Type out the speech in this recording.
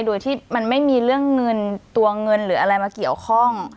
โดยที่มันไม่มีเรื่องเงินตัวเงินหรืออะไรมาเกี่ยวข้อง